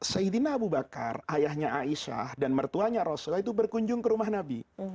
sayyidina abu bakar ayahnya aisyah dan mertuanya rasulullah itu berkunjung ke rumah nabi